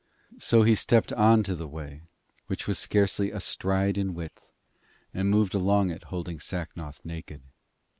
So he stepped on to the way, which was scarcely a stride in width, and moved along it holding Sacnoth naked.